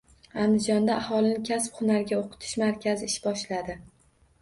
Andijonda “Aholini kasb-hunarga o‘qitish” markazi ish boshladi